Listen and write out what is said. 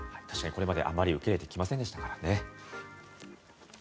確かに、これまであまり受け入れてきませんでしたからね。